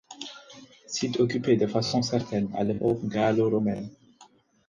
Site occupé de façon certaine à l'époque gallo-romaine.